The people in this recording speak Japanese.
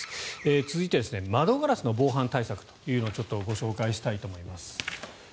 続いて窓ガラスの防犯対策というのをちょっとご紹介したいと思います。